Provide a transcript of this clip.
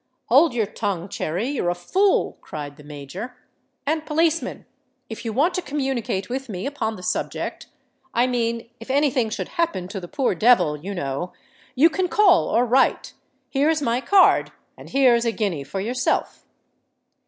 "Hold your tongue, Cherry—you're a fool," cried the Major. "And, policeman, if you want to communicate with me upon the subject—I mean, if any thing should happen to the poor devil, you know—you can call or write. Here's my card—and here's a guinea for yourself."